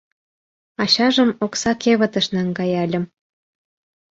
Ачажым окса кевытыш наҥгаяльым.